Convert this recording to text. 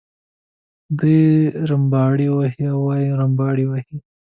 دی رمباړې وهي وایم رمباړې وهي.